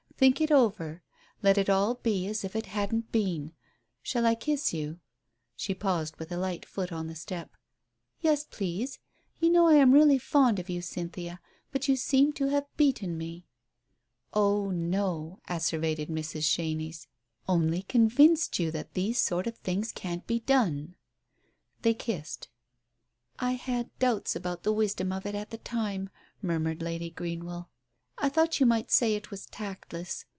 Think it over. Let it all be as if it hadn't been. Shall I kiss you?" She paused, with a light foot on the step. "Yes, please. You know I am really fond of you, Cynthia, but you seem to have beaten me." "Oh, no!" asseverated Mrs. Chenies, "only con vinced you that these sort of things can't be done." They kissed. "I had doubts about the wisdom of it at the time," murmured Lady Greenwell. "I thought you might say it was tactless.